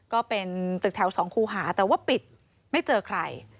ก็เป็นตึกแถว๒คู่หาแต่ว่าปิดไม่เจอใคร